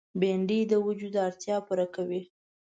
بېنډۍ د وجود اړتیا پوره کوي